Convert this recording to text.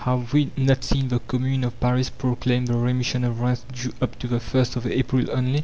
Have we not seen the commune of Paris proclaim the remission of rents due up to the first of April only!